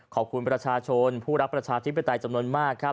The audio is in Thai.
ขอบคุณประชาชนผู้รับประชาทิพยาตรายจำนวนมาก